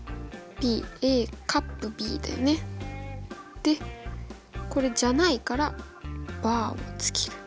でこれじゃないからバーをつける。